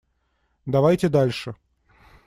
Давайте дальше.